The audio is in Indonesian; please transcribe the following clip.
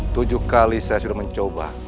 tujuh kali saya sudah mencoba